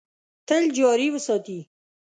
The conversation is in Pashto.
تل جاري وساتي .